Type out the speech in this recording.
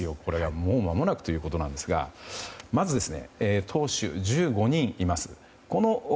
もうまもなくということなんですがまず投手、１５人います。